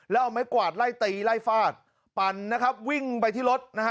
แล้วเอาไม้กวาดไล่ตีไล่ฟาดปั่นนะครับวิ่งไปที่รถนะฮะ